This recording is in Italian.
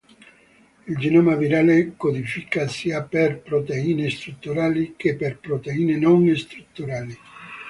Il genoma virale codifica sia per proteine strutturali che per proteine non strutturali.